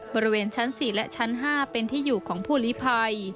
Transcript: บริเวณชั้น๔และชั้น๕เป็นที่อยู่ของผู้ลิภัย